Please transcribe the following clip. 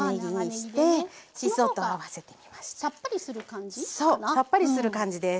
そうさっぱりする感じです。